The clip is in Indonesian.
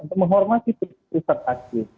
untuk menghormati petugas petugas hakim